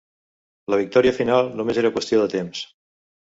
La victòria final només era qüestió de temps.